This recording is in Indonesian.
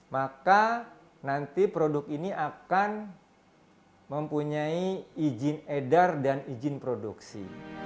maka nanti produk ini akan mempunyai izin edar dan izin produksi